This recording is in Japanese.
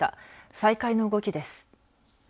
再開の動きです。